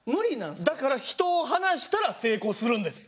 だから人を離したら成功するんです。